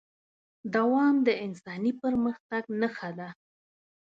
دوام د انساني پرمختګ نښه ده.